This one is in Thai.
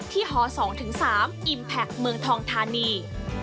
ฮ๒๓อิมแพคเมืองทองทานี